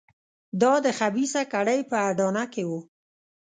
دا د خبیثه کړۍ په اډانه کې وو.